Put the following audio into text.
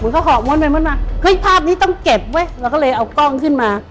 มึงเขาห่อม้นมาเฮ้ยภาพนี้ต้องเก็บเว้ยเราก็เลยเอากล้องขึ้นมา